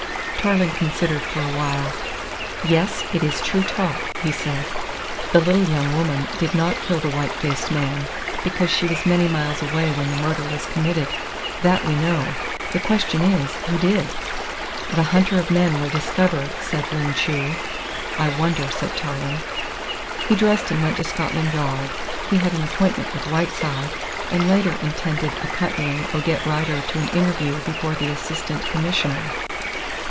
Tarling considered for a while. "Yes, it is true talk," he said. "The little young woman did not kill the white faced man, because she was many miles away when the murder was committed. That we know. The question is, who did?" "The Hunter of Men will discover," said Ling Chu "I wonder," said Tarling. He dressed and went to Scotland Yard. He had an appointment with Whiteside, and later intended accompanying Odette Rider to an interview before the Assistant Commissioner.